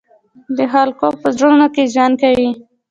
د خلقو پۀ زړونو کښې ژوند کوي،